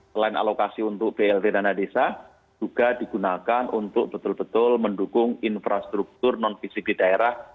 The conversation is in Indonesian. selain alokasi untuk blt dan tanah desa juga digunakan untuk betul betul mendukung infrastruktur non vcb daerah